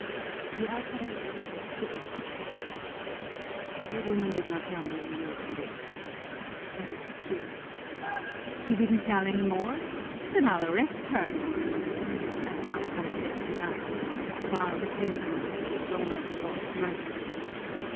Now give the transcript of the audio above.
The alferez was stupefied. "The woman did not tell me any more than this," added the curate. "She didn't tell any more? Then I'll arrest her!" "I can't consent to that. The bar of penitence is the throne of the God of mercies."